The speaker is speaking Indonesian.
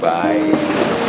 makasih lah salim